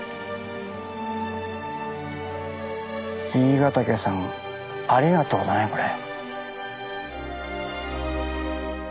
爺ヶ岳さんありがとうだねこれ。